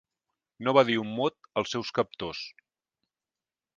No va dir un mot als seus captors.